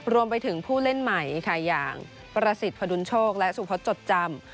รวมไปถึงผู้เล่นใหม่ค่ะอย่างประสิทธิพดุลโชคและสุพศจดจำ